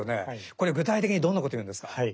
これ具体的にどんなこと言うんですか？